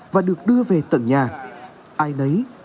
và được đưa về tận nhà